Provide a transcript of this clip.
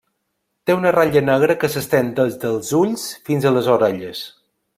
Té una ratlla negra que s'estén des dels ulls fins a les orelles.